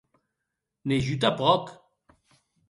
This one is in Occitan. Ne jo tanpòc.